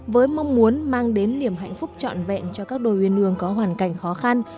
với mong muốn mang đến niềm hạnh phúc trọn vẹn cho các đôi uyên ương có hoàn cảnh khó khăn